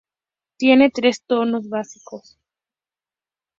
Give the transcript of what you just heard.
Tiene tres tonos básicos.